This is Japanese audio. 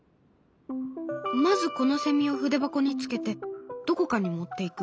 まずこのセミを筆箱につけてどこかに持っていく。